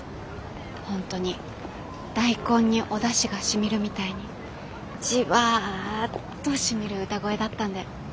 本当に大根におだしがしみるみたいにじわっとしみる歌声だったんで。